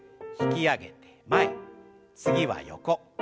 引き上げて前次は横。